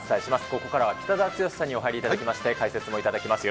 ここからは北澤豪さんにお入りいただきまして、解説もいただきます。